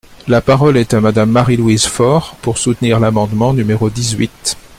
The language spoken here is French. La parole est à Madame Marie-Louise Fort, pour soutenir l’amendement numéro dix-huit.